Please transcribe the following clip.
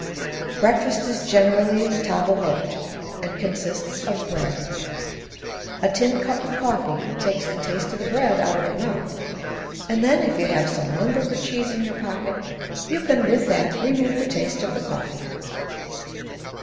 Breakfast is generally table d'hôte and consists of bread. A tin cup of coffee takes the taste of the bread out of your mouth, and then if you have some Limburger cheese in your pocket you can with that remove the taste of the coffee.